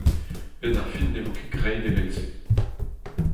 'Benn ar fin ne vo ket graet evel-se.